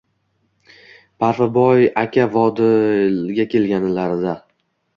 Parfiboy aka Vodilga kelganlarida: